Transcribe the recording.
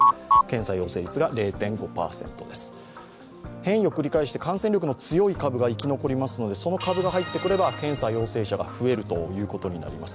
変異を繰り返して感染力の強い株が入ってきますのでその株が入ってくれば検査陽性者が増えるということになります。